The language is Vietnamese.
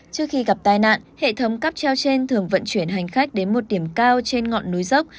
trước khi gặp tai nạn hệ thống cắp treo trên thường vận chuyển hành khách đến một điểm cao trên ngọn núi dốc